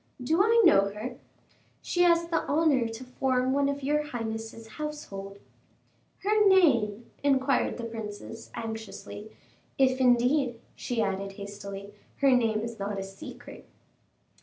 "Do I know her?" "She has the honor to form one of your highness's household." "Her name?" inquired the princess, anxiously; "if indeed," she added, hastily, "her name is not a secret."